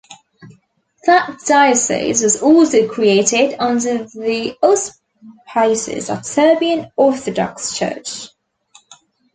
That diocese was also created under the auspices of Serbian Orthodox Church.